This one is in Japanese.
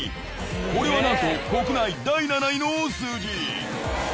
これはなんと国内第７位の数字！